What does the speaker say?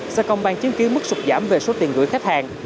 sẽ công ban chứng kiến mức sụt giảm về số tiền gửi khách hàng